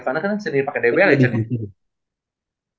karena kan sendiri pake dbl ya cen